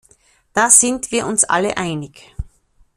Da sind wir uns alle einig.